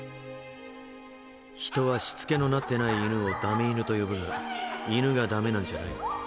人はしつけのなってない犬を「ダメ犬」と呼ぶが犬がダメなんじゃない。